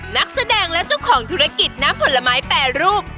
นักแสดงและเจ้าของธุรกิจน้ำผลไม้แปรรูป